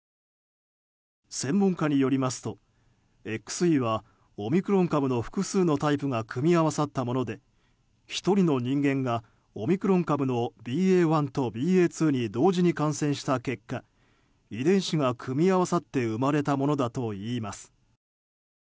専門家によりますと、ＸＥはオミクロン株の複数のタイプが組み合わさったもので１人の人間がオミクロン株のＢＡ．１とＢＡ．２に同時に感染した結果遺伝子が組み合わさって生まれたものだといいます。